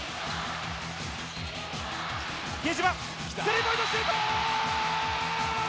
比江島、スリーポイントシュート！